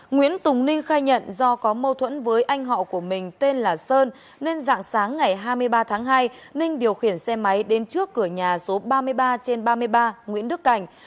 nguyễn tùng ninh khai nhận do có mâu thuẫn với anh họ của mình tên là sơn nên dạng sáng ngày hai mươi ba tháng hai ninh điều khiển xe máy đến trước cửa nhà số ba mươi ba trên ba mươi ba nguyễn đức cảnh